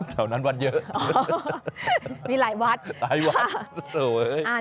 แถวนั้นวัดเยอะมีหลายวัดหลายวัดสวย